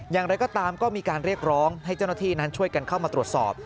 อย่างไรก็ตามก็มีการเรียกร้องให้เจ้าหน้าที่นั้นช่วยกันเข้ามาตรวจสอบ